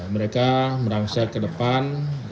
mereka merangsa ke depan